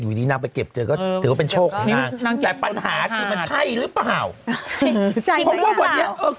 อยู่ดีนางไปเก็บเจอก็ถือว่าเป็นโชคของนางแต่ปัญหาคือมันใช่หรือเปล่าเพราะว่าวันนี้เออ